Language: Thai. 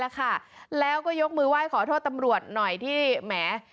กล่าวเค้าก็โล่งใจละค่ะแล้วก็ยกมือไหว้ขอโทษตำรวจหน่อยที่แหม